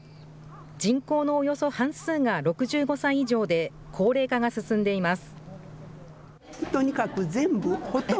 人口のおよそ半数が６５歳以上で、高齢化が進んでいます。